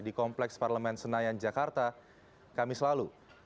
di kompleks parlemen senayan jakarta kamis lalu